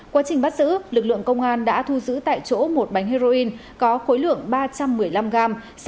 quá trình bắt giữ lực lượng công an đã thu giữ tại chỗ một bánh heroin có khối lượng ba trăm một mươi năm g